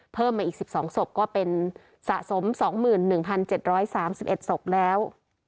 เพิ่มมาอีก๑๒ศพก็เป็นสะสม๒๑๗๓๑ศพแล้ว